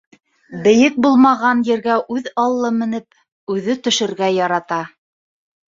Бейек булмаған ергә үҙ аллы менеп, үҙе төшөргә ярата.